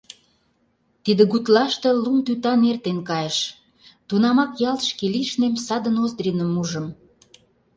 Тиде гутлаште лум тӱтан эртен кайыш, тунамак ялт шке лишнем саде Ноздриным ужым.